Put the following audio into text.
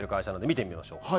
見てみましょう。